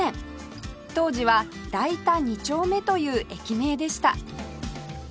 当時は代田二丁目という駅名でした